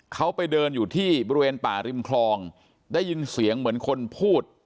เขาไปเดินอยู่ที่บริเวณป่าริมคลองได้ยินเสียงเหมือนคนพูด